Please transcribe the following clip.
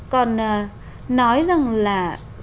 còn nói rằng là